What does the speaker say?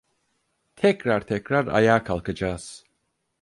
Tekrar tekrar ayağa kalkacağız.